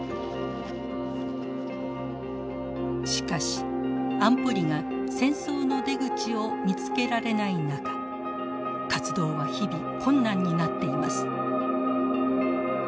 しかし安保理が戦争の出口を見つけられない中活動は日々困難になっています。